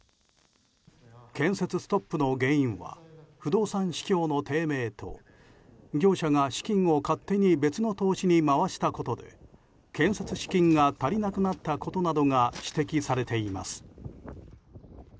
建設ストップの原因は不動産市況の低迷と業者が資金を勝手に別の投資に回したことで建設資金が足りなくなったことなどが指摘されています。